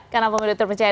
karena pemilu terpercaya